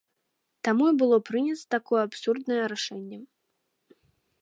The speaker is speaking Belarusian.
Таму і было прынята такое абсурднае рашэнне.